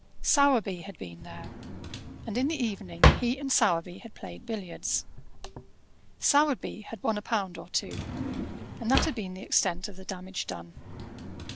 Sowerby had been there, and in the evening he and Sowerby had played billiards. Sowerby had won a pound or two, and that had been the extent of the damage done.